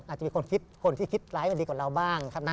อาจจะมีคนคิดคนที่คิดร้ายมันดีกว่าเราบ้างครับนะ